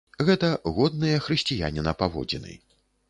Гэта годныя хрысціяніна паводзіны.